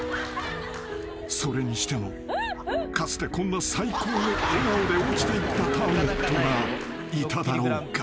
［それにしてもかつてこんな最高の笑顔で落ちていったターゲットがいただろうか？］